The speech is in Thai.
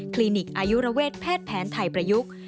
ลินิกอายุระเวทแพทย์แผนไทยประยุกต์